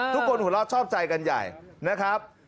ทุกคนหัวเราะชอบใจกันใหญ่นะครับ